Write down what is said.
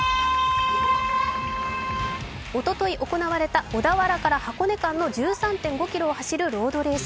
おととい行われた小田原ー箱根間の１３．５ｋｍを走るロードレース